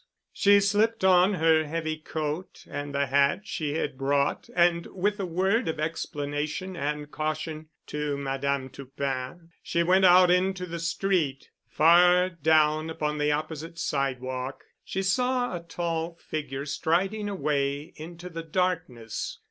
She slipped on her heavy coat and the hat she had brought and with a word of explanation and caution to Madame Toupin, she went out into the street. Far down upon the opposite sidewalk she saw a tall figure striding away into the darkness.